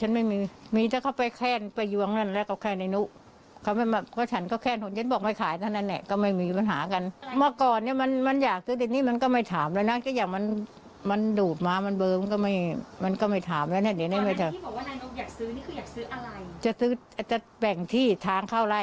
ที่บอกว่านายนบอยากซื้อนี่คืออยากซื้ออะไรจะซื้อจะแบ่งที่ทางเข้าไล่